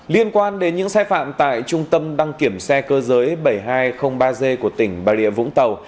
liên quan đến những sai phạm tại trung tâm đăng kiểm xe cơ giới bảy nghìn hai trăm linh ba g của tỉnh bà rịa vũng tàu